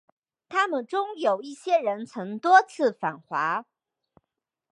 他们中的一些人曾多次访华。